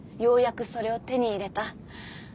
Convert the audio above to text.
ようやくそれを手に入れた。